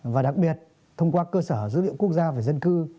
và đặc biệt thông qua cơ sở dữ liệu quốc gia về dân cư